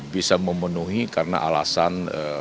bisa memenuhi karena alasan